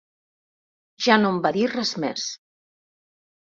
Ja no em va dir res més.